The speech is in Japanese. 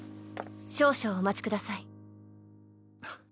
少々お待ちください。